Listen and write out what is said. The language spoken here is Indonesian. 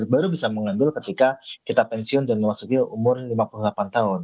baru bisa mengambil ketika kita pensiun dan memasuki umur lima puluh delapan tahun